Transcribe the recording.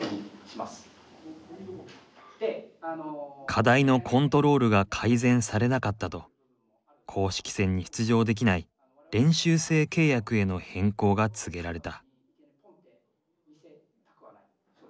課題のコントロールが改善されなかったと公式戦に出場できない練習生契約への変更が告げられた。